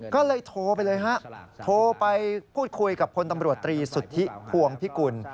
ก็เลยโทรไปเลยโทรไปพูดคุยกับคนตำรวจโธ่ภวงพิกุล